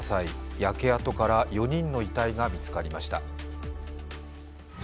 焼け跡から４人の遺体が見つかりました。